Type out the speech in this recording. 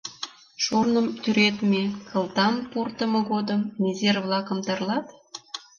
Шурным тӱредме, кылтам пуртымо годым незер-влакым тарлат?